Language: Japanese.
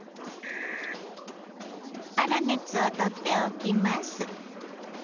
粗熱を取っておきます。